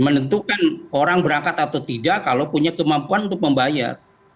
menentukan orang berangkat atau tidak kalau punya kemampuan untuk membayar